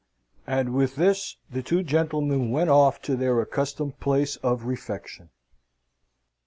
And with this the two gentlemen went off to their accustomed place of refection.